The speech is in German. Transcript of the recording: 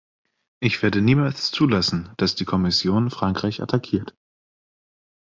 Ich werde niemals zulassen, dass die Kommission Frankreich attackiert.